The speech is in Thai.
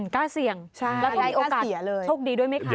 กล้าเสี่ยงแล้วก็มีโอกาสโชคดีด้วยไหมคะ